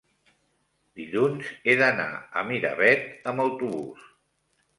dilluns he d'anar a Miravet amb autobús.